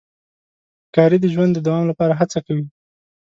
ښکاري د ژوند د دوام لپاره هڅه کوي.